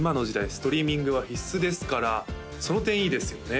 ストリーミングは必須ですからその点いいですよね